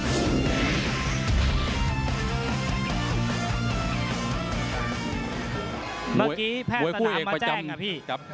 เมื่อกี้แพทย์สนามมาแจ้งอ่ะพี่